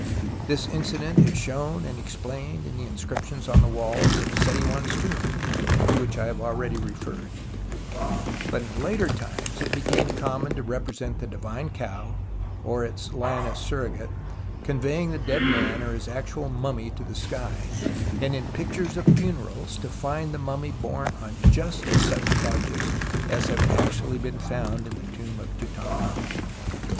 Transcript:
This incident is shown and explained in the inscriptions on the walls of Seti I's tomb, to which I have already re 112 TUTANKHAMEN ferred (p. 95). But in later times it became common to represent the Divine Cow (or its lioness surrogate) conveying the dead man or his actual mimimy to tlie sky, and in pictures of funerals to find the mummy borne on just such couches as have actually been found in the tomb of Tutankhamen.